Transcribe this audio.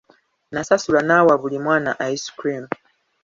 Nasasula n'awa buli mwana ice cream.